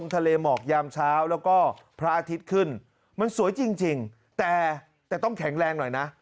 ทะเลหมอกยามเช้าแล้วก็พระอาทิตย์ขึ้นมันสวยจริงแต่ต้องแข็งแรงหน่อยนะ